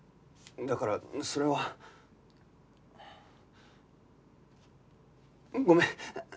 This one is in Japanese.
だからそれは。ごめん。